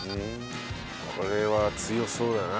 これは強そうだな。